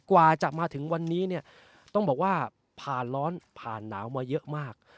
กว่าจะมาถึงวันนี้เนี่ยต้องบอกว่าผ่านร้อนผ่านหนาวมาเยอะมาก